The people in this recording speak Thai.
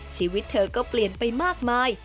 ชีวิตเธอก็เปลี่ยนไปมากมาย